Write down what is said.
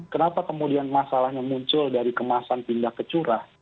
kenapa kemudian masalahnya muncul dari kemasan pindah ke curah